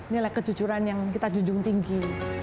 nilai kejujuran yang kita junjung tinggi